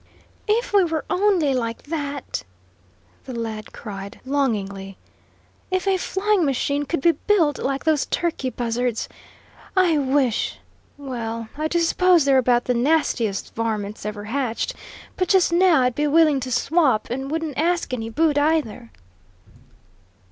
"If we were only like that!" the lad cried, longingly. "If a flying machine could be built like those turkey buzzards! I wish well, I do suppose they're about the nastiest varmints ever hatched, but just now I'd be willing to swap, and wouldn't ask any boot, either!"